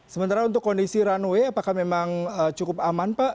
sementara untuk kondisi runway apakah memang cukup aman pak